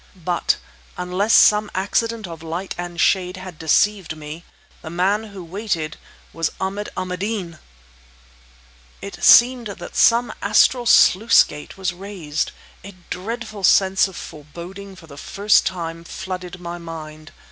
But, unless some accident of light and shade had deceived me, the man who had waited was Ahmad Ahmadeen! It seemed that some astral sluice gate was raised; a dreadful sense of foreboding for the first time flooded my mind.